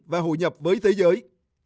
và hội nhập với thế giới